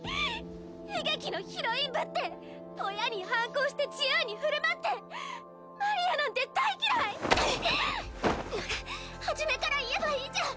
悲劇のヒロインぶって親に反抗して自由に振る舞ってマリアなんて大嫌い！なら初めから言えばいいじゃん！